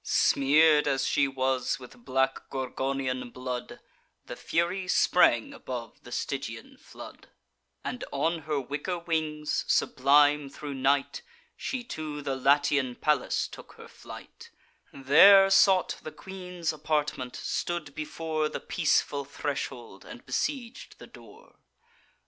Smear'd as she was with black Gorgonian blood, The Fury sprang above the Stygian flood; And on her wicker wings, sublime thro' night, She to the Latian palace took her flight: There sought the queen's apartment, stood before The peaceful threshold, and besieg'd the door.